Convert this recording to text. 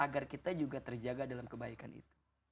agar kita juga terjaga dalam kebaikan itu